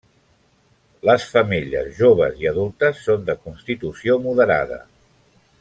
Les femelles joves i adultes són de constitució moderada.